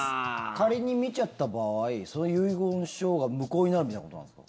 仮に見ちゃった場合その遺言書が無効になるみたいなことなんですか？